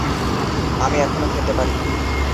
আমি এখনো খেলতে পারি।